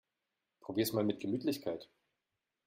Probier's mal mit Gemütlichkeit!